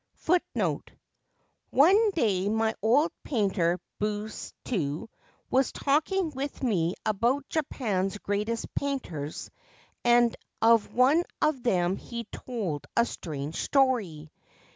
1 One day my old painter Busetsu was talking with me about Japan's greatest painters, and of one of them he told a strange story.